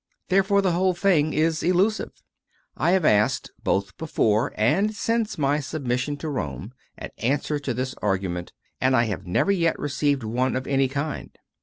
Therefore the whole thing is illusive. I have asked, both before and since my submis sion to Rome, an answer to this argument and I have never yet received one of any kind.